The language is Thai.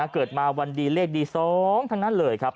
เกิดมาวันดีเลขดี๒ทั้งนั้นเลยครับ